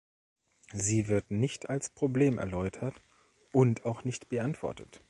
Sie wird nicht als Problem erläutert und auch nicht beantwortet.